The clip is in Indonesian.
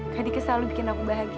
kak dika selalu bikin aku bahagia